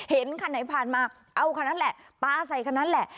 เห็นคันไหนผ่านมาเอาคันนั้นแหละปลาใส่คันนั้นแหละ